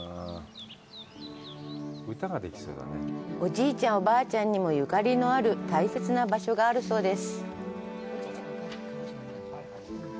おじいちゃん、おばあちゃんにもゆかりのある大切な場所があるそうです。